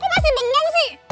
kok masih bengong sih